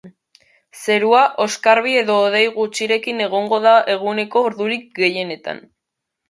Zerua oskarbi edo hodei gutxirekin egongo da eguneko ordurik gehienetan.